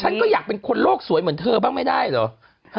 ฉันก็อยากเป็นคนโลกสวยเหมือนเธอบ้างไม่ได้เหรอ